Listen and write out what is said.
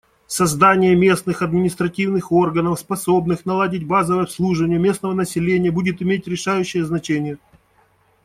Создание местных административных органов, способных наладить базовое обслуживание местного населения, будет иметь решающее значение.